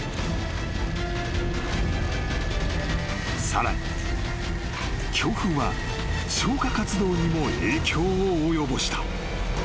［さらに強風は消火活動にも影響を及ぼした］